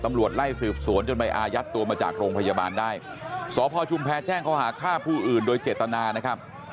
ตำรวจไล่สืบสวนจนไปอายัดตัวมาจากโรงพยาบาลได้สพชุมแพรแจ้งเขาหาฆ่าผู้อื่นโดยเจตนานะครับ